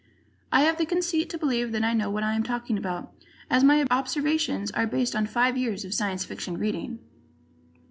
I have the conceit to believe that I know what I am talking about, as my observations are based on five years of Science Fiction reading.